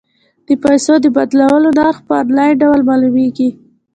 د پيسو د بدلولو نرخ په انلاین ډول معلومیږي.